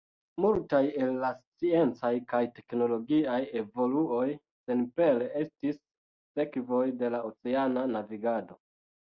Multaj el la sciencaj kaj teknologiaj evoluoj senpere estis sekvoj de la oceana navigado.